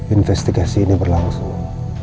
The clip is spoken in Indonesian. investigasi ini berlangsung